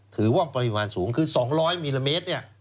ถือว่าปริมาณสูงคือ๒๐๐มิลลิเมตรเนี่ย